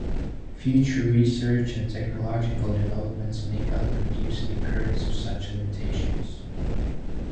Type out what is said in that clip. Future research and technological developments may help reduce the occurrence of such limitations.